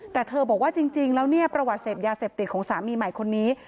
แต่เธอบอกว่าจริงแล้วเนี่ยประวัติเสพยาเสพติดของสามีใหม่คนนี้